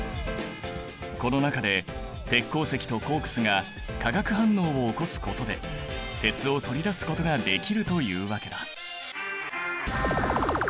この中で鉄鉱石とコークスが化学反応を起こすことで鉄を取り出すことができるというわけだ。